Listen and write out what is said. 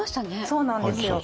そうなんですよ。